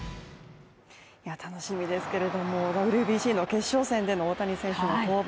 楽しみですけれども、ＷＢＣの決勝戦での大谷選手の登板。